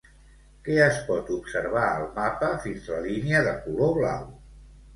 Què es pot observar al mapa, fins la línia de color blau?